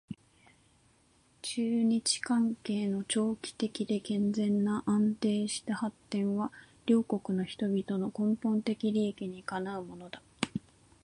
中日関係の長期的で健全な安定した発展は両国の人々の根本的利益にかなうものだ